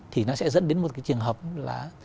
thì nó sẽ dẫn đến một cái trường hợp là